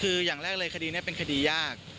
คืออย่างแรกเลยคดีนี้เป็นคดียาก